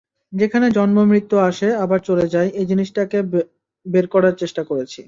সেখানে জন্ম-মৃত্যু আসে, আবার চলে যায়—এই জিনিসটাকে বের করার চেষ্টা করেছি।